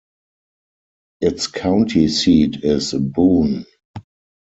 Its county seat is Boone.